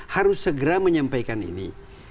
harus segera menyampaikan ini